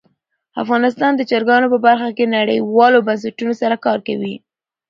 افغانستان د چرګانو په برخه کې نړیوالو بنسټونو سره کار کوي.